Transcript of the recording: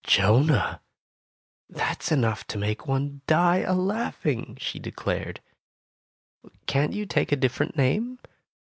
"Jonah? That's enough to make one die a laughing," she declared. "Can't you take a different name?